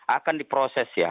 akan diproses ya